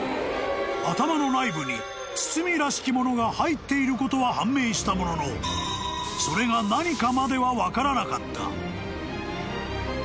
［頭の内部に包みらしきものが入っていることは判明したもののそれが何かまでは分からなかった］